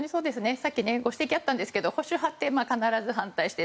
さっきご指摘あったんですけど保守派って、必ず反対している。